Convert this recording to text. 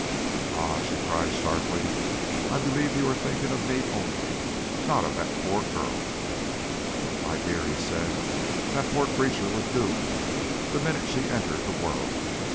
"Ah!" she cried sharply. "I believe you are thinking of me only, not of that poor girl." "My dear," he said, "that poor creature was doomed the moment she entered the world.